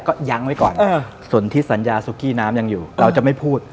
ก็ยั้งไว้ก่อนส่วนที่สัญญาซุกี้น้ำยังอยู่เราจะไม่พูด